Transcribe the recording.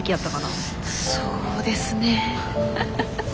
そうですね。